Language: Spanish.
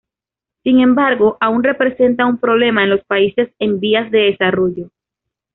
Sin embargo, aún representa un problema en los países en vías de desarrollo.